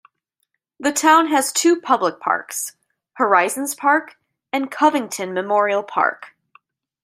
The town has two public parks: Horizons Park, and Covington Memorial Park.